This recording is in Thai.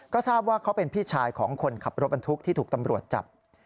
ก็ทราบว่าเขาเป็นพี่ชายของคนขับรถบรรทุกที่ถูกตำรวจจับ